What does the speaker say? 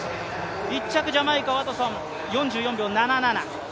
１着ジャマイカワトソン、４４秒７７。